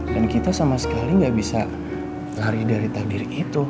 dan kita sama sekali gak bisa lari dari takdir itu